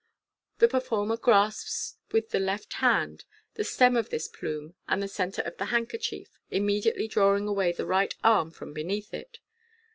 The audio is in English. The performer grasps, with the left hand, the stem of this plume and the centre of the handkerchief, immediately drawing away the right arm from beneath it.